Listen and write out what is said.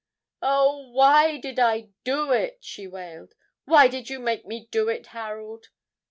'Oh, why did I do it?' she wailed; 'why did you make me do it, Harold?'